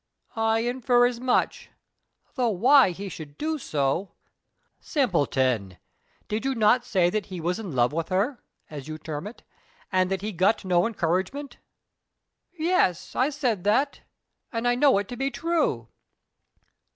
"I infer as much; though why he should do so " "Simpleton! Did you not say that he was in love with her (as you term it), and that he got no encouragement?" "Yes; I said that and I know it to be true."